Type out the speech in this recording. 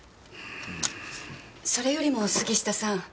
それよりも杉下さん